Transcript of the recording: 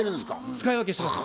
使い分けしてます。